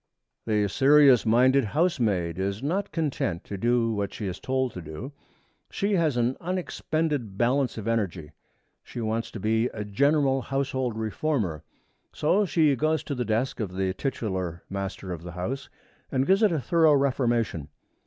The serious minded housemaid is not content to do what she is told to do. She has an unexpended balance of energy. She wants to be a general household reformer. So she goes to the desk of the titular master of the house and gives it a thorough reformation.